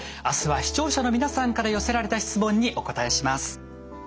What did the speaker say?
明日は視聴者の皆さんから寄せられた質問にお答えします。